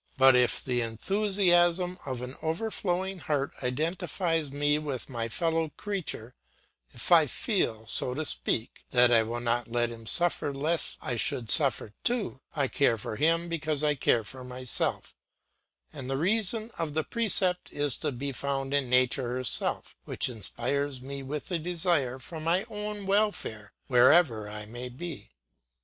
But if the enthusiasm of an overflowing heart identifies me with my fellow creature, if I feel, so to speak, that I will not let him suffer lest I should suffer too, I care for him because I care for myself, and the reason of the precept is found in nature herself, which inspires me with the desire for my own welfare wherever I may be.